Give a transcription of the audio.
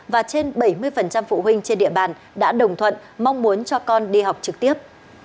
và trên bảy mươi phụ huynh trên địa bàn đã đồng thuận mong muốn cho con đi học trực tiếp